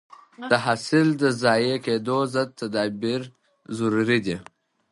د حاصل د ضایع کېدو ضد تدابیر ضروري دي.